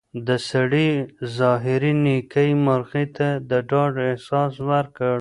د سړي ظاهري نېکۍ مرغۍ ته د ډاډ احساس ورکړ.